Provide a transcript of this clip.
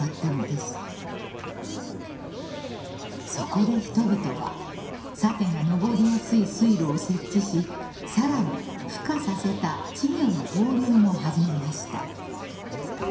［そこで人々はサケが上りやすい水路を設置しさらにふ化させた稚魚の放流も始めました］